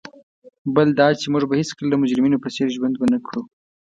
بل دا چي موږ به هیڅکله د مجرمینو په څېر ژوند ونه کړو.